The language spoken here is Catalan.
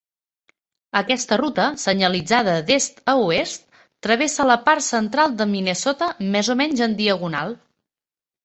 Aquesta ruta, senyalitzada d'est a oest, travessa la part central de Minnesota més o menys en diagonal.